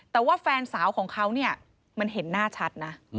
แต่ว่าแฟนสาวของเขาเนี่ยมันเห็นหน้าชัดนะ